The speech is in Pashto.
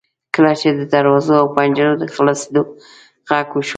کله چې د دروازو او پنجرو د خلاصیدو غږ وشو.